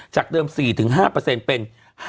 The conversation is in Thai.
จากเดิม๔๕เป็น๕๕๖๕